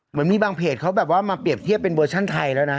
เหมือนมีบางเพจเขาแบบว่ามาเปรียบเทียบเป็นเวอร์ชั่นไทยแล้วนะ